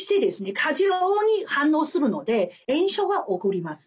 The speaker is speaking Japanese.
過剰に反応するので炎症が起こります。